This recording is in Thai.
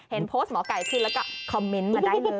เห็นโพสต์หมอไก่ขึ้นแล้วก็คอมเมนต์มาได้เลย